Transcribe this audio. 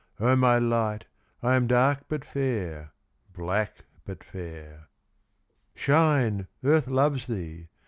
O my light, I am dark but fair, Black but fair. Shine, Earth loves thee!